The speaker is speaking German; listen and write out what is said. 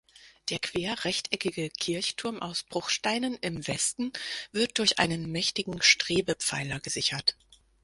Der querrechteckige Kirchturm aus Bruchsteinen im Westen wird durch einen mächtigen Strebepfeiler gesichert.